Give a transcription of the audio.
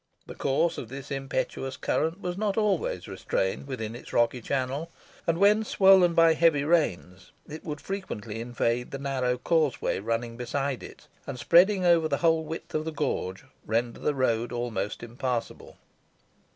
The course of this impetuous current was not always restrained within its rocky channel, and when swollen by heavy rains, it would frequently invade the narrow causeway running beside it, and, spreading over the whole width of the gorge, render the road almost impassable.